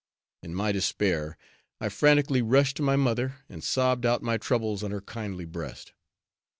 In my despair, I frantically rushed to my mother and sobbed out my troubles on her kindly breast.